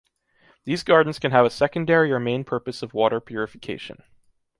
These gardens can have a secondary or main purpose of water purification.